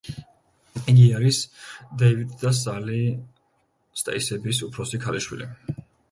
იგი არის დეივიდ და სალი სტეისების უფროსი ქალიშვილი.